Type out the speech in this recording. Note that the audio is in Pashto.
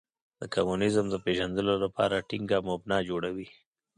د کمونیزم د پېژندلو لپاره ټینګه مبنا جوړوي.